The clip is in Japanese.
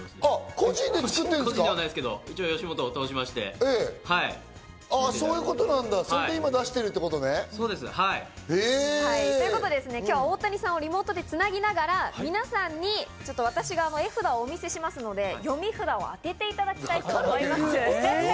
個人ではないですけど、それで今出してるのね。ということで今日は大谷さんとリモートで繋ぎながら、皆さんに私が絵札をお見せしますので読み札を当てていただきたいと思います。